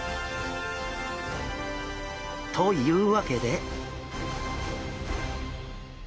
というわけで。